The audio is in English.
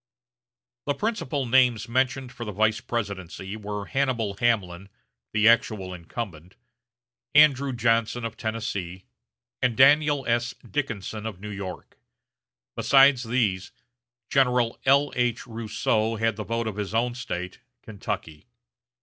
The principal names mentioned for the vice presidency were Hannibal Hamlin, the actual incumbent; Andrew Johnson of Tennessee; and Daniel S. Dickinson of New York. Besides these, General L.H. Rousseau had the vote of his own State Kentucky.